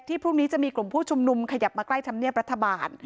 พรุ่งนี้จะมีกลุ่มผู้ชุมนุมขยับมาใกล้ธรรมเนียบรัฐบาล